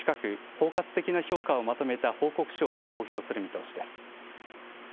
包括的な評価をまとめた報告書を公表する見通しです。